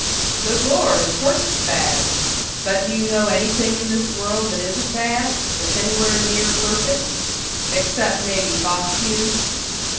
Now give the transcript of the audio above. "Good Lord! of course it's bad. But do you know anything in this world that isn't bad that's anywhere near perfect? Except maybe Bach fugues?